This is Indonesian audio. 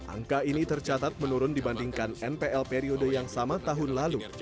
angka ini tercatat menurun dibandingkan npl periode yang sama tahun lalu